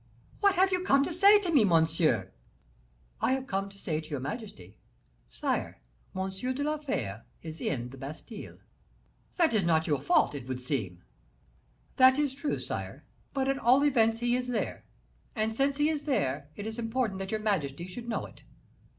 "What have you come to say to me, monsieur?" "I have come to say to your majesty, 'Sire, M. de la Fere is in the Bastile.'" "That is not your fault, it would seem." "That is true, sire; but at all events he is there; and since he is there, it is important that your majesty should know it."